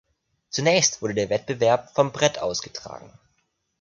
Zunächst wurde der Wettbewerb vom Brett ausgetragen.